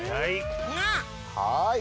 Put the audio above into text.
はい。